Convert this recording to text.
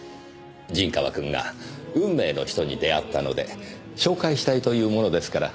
陣川君が運命の人に出会ったので紹介したいと言うものですから。